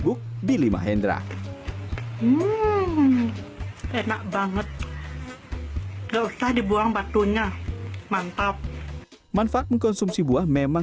itulah seperti apakah wanita ini sudah mengubah dirinya ke dalam kemampuan ngasih suhu sekolah